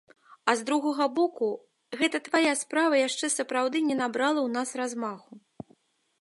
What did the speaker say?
А з другога боку, гэтая справа яшчэ сапраўды не набрала ў нас размаху.